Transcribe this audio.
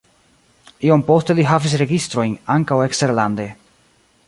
Iom poste li havis registrojn ankaŭ eksterlande.